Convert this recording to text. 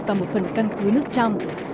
và một phần căn cứ nước trong